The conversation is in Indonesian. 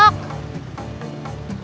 manggilannya jangan emang